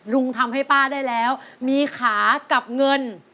ลุงทำให้ป้าได้แล้วมีขากับเงิน